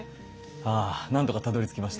あ何とかたどりつきました。